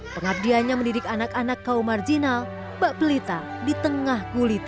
pengabdianya mendidik anak anak kaum marginal bakpelita di tengah gulita